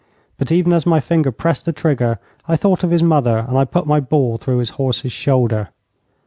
But even as my finger pressed the trigger I thought of his mother, and I put my ball through his horse's shoulder.